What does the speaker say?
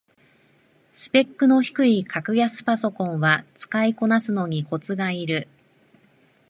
スペックの低い格安パソコンは使いこなすのにコツがいる